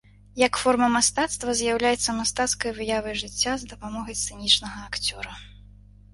Як форма мастацтва з'яўляецца мастацкай выявай жыцця з дапамогай сцэнічнага акцёра.